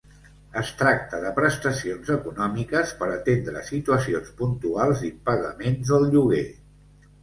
Es tracta de prestacions econòmiques per atendre situacions puntuals d'impagaments del lloguer.